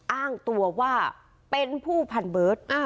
อ้างตัวว่าเป็นผู้พันเบิร์ต